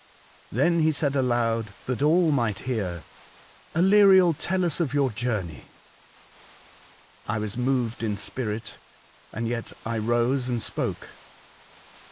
Then he said aloud that all might hear :—" Aleriel, tell us of your journey." I was moved in spirit, and yet I rose and spoke.